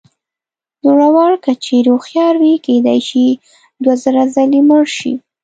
زړور که چېرې هوښیار وي کېدای شي دوه زره ځلې مړ شي.